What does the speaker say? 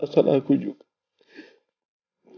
salah aku juga